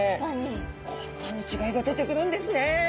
こんなに違いが出てくるんですね。